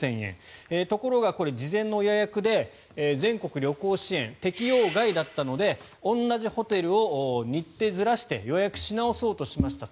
ところが、事前の予約で全国旅行支援の適用外だったので同じホテルを日程をずらして予約し直そうとしました。